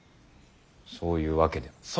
そういうわけでは。